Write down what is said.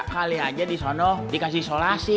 kali aja di sana dikasih isolasi